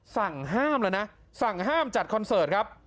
สั่งห้ามเลยนะสั่งห้ามจัดคอนเสิร์ตครับ